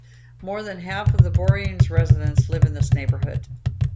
More than half of the Borough's residents live in this neighborhood.